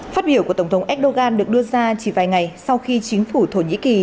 phát biểu của tổng thống erdogan được đưa ra chỉ vài ngày sau khi chính phủ thổ nhĩ kỳ